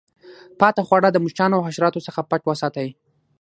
پاته خواړه د مچانو او حشراتو څخه پټ وساتئ.